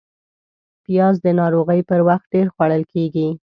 پیاز د ناروغۍ پر وخت ډېر خوړل کېږي